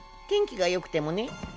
天気がよくてもね。